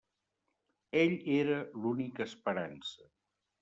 Ell era l'única esperança.